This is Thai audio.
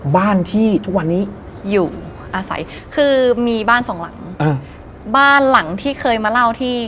บ้านที่ช่วงวันนี้อยู่ลงหน้ามีบ้านที่อยู่ปักตี